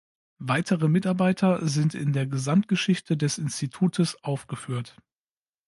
Weitere Mitarbeiter sind in der Gesamtgeschichte des Institutes aufgeführt.